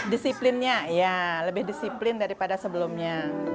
disiplinnya ya lebih disiplin daripada sebelumnya